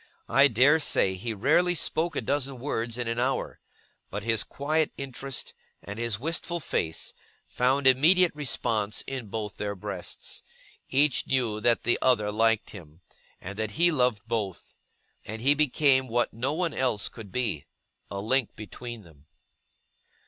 I dare say he rarely spoke a dozen words in an hour: but his quiet interest, and his wistful face, found immediate response in both their breasts; each knew that the other liked him, and that he loved both; and he became what no one else could be a link between them.